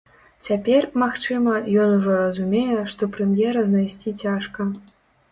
Цяпер, магчыма, ён ужо разумее, што прэм'ера знайсці цяжка.